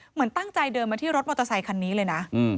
เหมือนตั้งใจเดินมาที่รถมอเตอร์ไซคันนี้เลยนะ